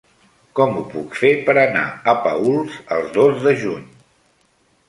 Com ho puc fer per anar a Paüls el dos de juny?